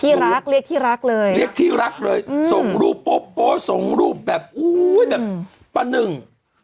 รักเรียกที่รักเลยเรียกที่รักเลยส่งรูปโป๊โป๊ส่งรูปแบบอุ้ยแบบปะหนึ่ง